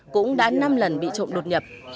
cũng đã năm lần bị trộm đột nhập